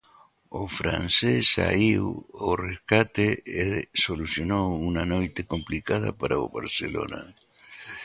O francés saíu ao rescate e solucionou unha noite complicada para o Barcelona.